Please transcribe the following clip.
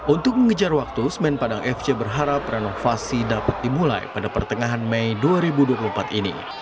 untuk mengejar waktu semen padang fc berharap renovasi dapat dimulai pada pertengahan mei dua ribu dua puluh empat ini